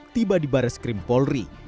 tiba di baris krim polri